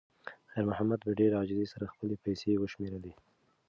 خیر محمد په ډېرې عاجزۍ سره خپلې پیسې وشمېرلې.